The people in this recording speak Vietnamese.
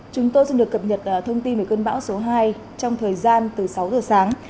chúng tôi xin được cập nhật thông tin về cơn bão số hai trong thời gian từ sáu giờ sáng